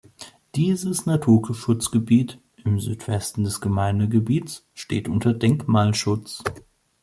Dieses Naturschutzgebiet, im Südwesten des Gemeindegebietes, steht unter Denkmalschutz.